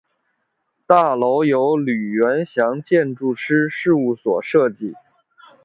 大楼由吕元祥建筑师事务所设计。